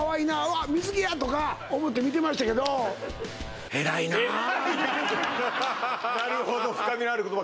「わっ水着や」とか思って見てましたけどなるほど深みのある言葉